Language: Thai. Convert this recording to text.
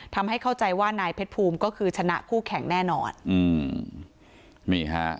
ทำให้เข้าใจว่านายเพชรภูมิก็คือชนะคู่แข่งแน่นอนอืมนี่ฮะ